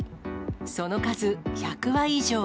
その数、１００羽以上。